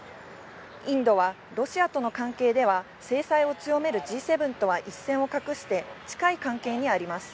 インドはロシアとの関係では、制裁を強めるＧ７とは一線を画して、近い関係にあります。